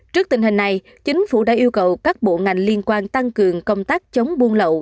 trước tình hình này chính phủ đã yêu cầu các bộ ngành liên quan tăng cường công tác chống buôn lậu